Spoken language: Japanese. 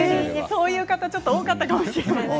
そういう方多かったかもしれませんね。